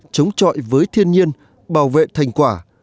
chống trọi với thiên nhiên bảo vệ thành quả